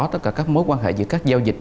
tất cả các mối quan hệ giữa các giao dịch